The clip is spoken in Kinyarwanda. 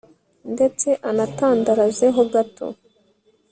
ndetse anatandaraze ho gato